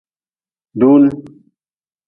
Dun.